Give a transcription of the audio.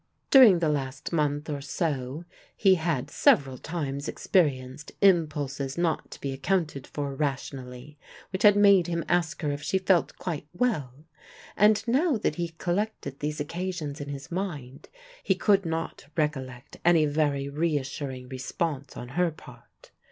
During the last month or so, he had several times experienced impulses not to be accounted for rationally, which had made him ask her if she felt quite well, and now that he collected these occasions in his mind, he could not recollect any very reassuring response on her part.